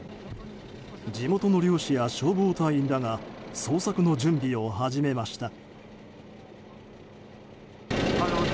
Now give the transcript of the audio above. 地元の漁師や消防隊員らが捜索の準備を始めました。